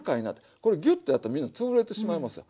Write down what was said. これギュッとやったらみんなつぶれてしまいますやん。